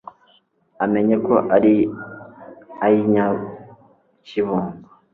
Amenye ko ari iy' Inyakibungo